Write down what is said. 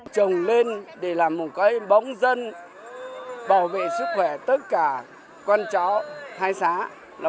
trồng lên để làm một cái bóng dân bảo vệ sức khỏe tất cả con chó hai xã